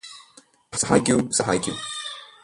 സഹായിക്കൂ സഹായിക്കൂ